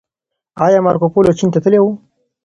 ايا مارکوپولو چين ته تللی و؟